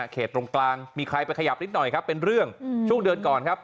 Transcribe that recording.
ตรงกลางมีใครไปขยับนิดหน่อยครับเป็นเรื่องช่วงเดือนก่อนครับ